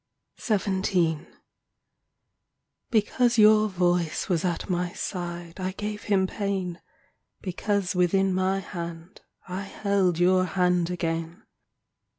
XVII Because your voice was at my side I gave him pain, Because within my hand I held Your hand again.